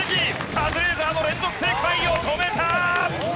カズレーザーの連続正解を止めた！